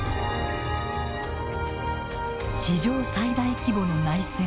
史上最大規模の内戦。